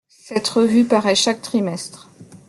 Cette revue paraît chaque trimestre.